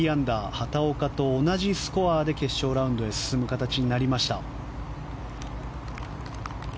畑岡と同じスコアで決勝ラウンドに進む形になりました。